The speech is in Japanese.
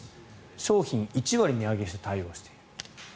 商品を１割値上げして対応している。